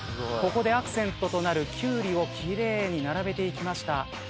ここでアクセントとなるキュウリを奇麗に並べていきました。